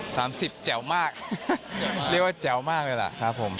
สามสิบแจ๋วมากเรียกว่าแจ๋วมากเลยล่ะครับผม